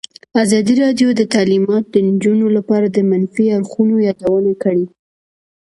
ازادي راډیو د تعلیمات د نجونو لپاره د منفي اړخونو یادونه کړې.